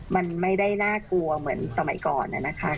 มันไม่ได้น่ากลัวเหมือนสมัยก่อนนะคะ